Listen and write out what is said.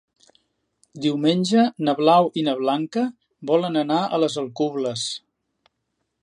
Diumenge na Blau i na Blanca volen anar a les Alcubles.